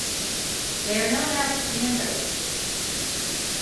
They are known as "Pandas".